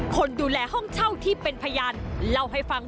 คนดูแลห้องเช่าที่เป็นพยานเล่าให้ฟัง